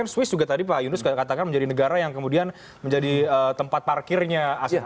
ini kan swiss juga tadi pak yunus katakan menjadi negara yang kemudian menjadi tempat tersebut yang berkembang dengan mla